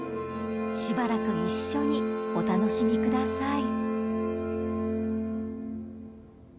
［しばらく一緒にお楽しみください］